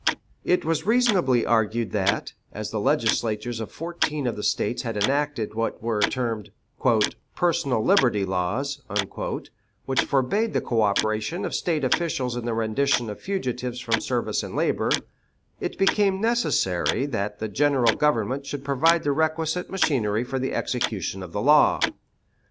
It was reasonably argued that, as the Legislatures of fourteen of the States had enacted what were termed "personal liberty laws," which forbade the coöperation of State officials in the rendition of fugitives from service and labor, it became necessary that the General Government should provide the requisite machinery for the execution of the law.